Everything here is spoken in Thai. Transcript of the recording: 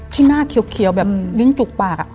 ที่หน้าเขียวแบบลิ้งจุกปาก